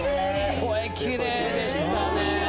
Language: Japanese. きれいでしたね。